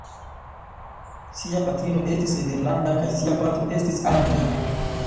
Sia patrino estis nederlanda kaj sia patro estis angla.